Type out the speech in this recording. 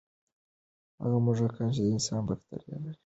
هغه موږکان چې د انسان بکتریاوې لري، د چاپېریال سره ښه تطابق کوي.